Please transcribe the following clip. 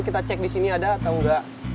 kita cek di sini ada atau enggak